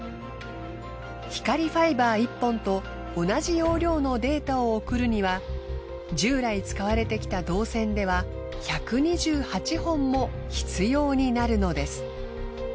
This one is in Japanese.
光ファイバー１本と同じ容量のデータを送るには従来使われてきた銅線では１２８本も必要になるのです。